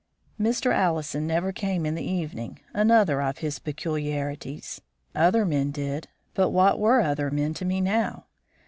Mr. Allison never came in the evening, another of his peculiarities. Other men did, but what were other men to me now?